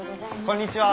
こんにちは。